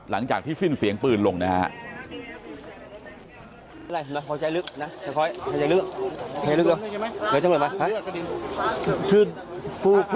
หลังจากที่สิ้นเสียงปืนลงนะฮะ